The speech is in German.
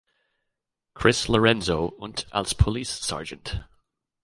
Chris Lorenzo und als Police Sgt.